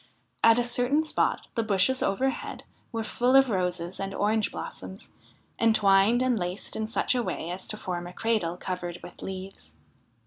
At a certain spot the bushes overhead were full of roses and orange blossoms, entwined and laced in such a way as to form a cradle covered with leaves.